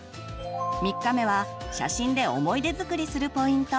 ３日目は写真で思い出づくりするポイント。